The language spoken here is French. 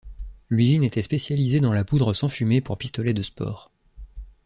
L’usine était spécialisée dans la poudre sans fumée pour pistolets de sport.